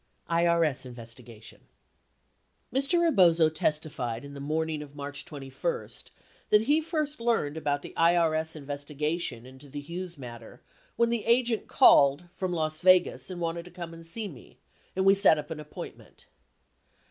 IRS Investigation Mr. Rebozo testified in the morning of March 21 that he first learned about the IRS investigation into the Hughes matter when "the agent called from Las Vegas and wanted to come and see me, and we set. up an appointment."